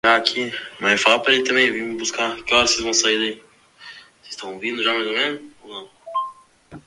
mó fita, mandraka